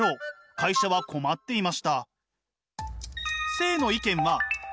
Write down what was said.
会社は困っていました。